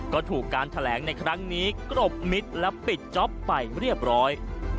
ก็ถูกการแถลงในครั้งนี้กรบมิตรและปิดจ๊อปไปเรียบร้อย